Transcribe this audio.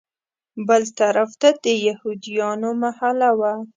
بل طرف ته د یهودیانو محله وه.